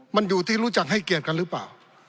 มันอยู่ที่รู้จักให้เกียรติกันหรือเปล่า